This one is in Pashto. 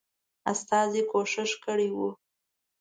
استازي کوښښ کړی وو.